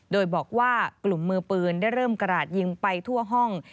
โดยบอกว่ากลุ่มมือปืนได้เริ่มกระดาษยิงไปทั่วห้อง